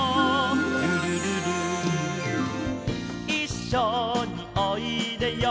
「ルルルル」「いっしょにおいでよ」